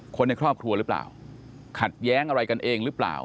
คนในครอบครัวหรือเปล่า